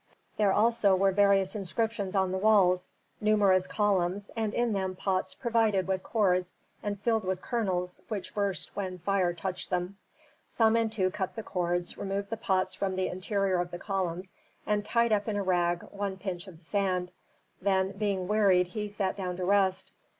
There also were various inscriptions on the walls, numerous columns and in them pots provided with cords and filled with kernels which burst when fire touched them. Samentu cut the cords, removed the pots from the interior of the columns, and tied up in a rag one pinch of the sand. Then being wearied he sat down to rest.